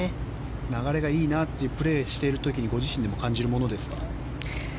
流れがいいなとプレーしている時にご自身でも感じるものですか？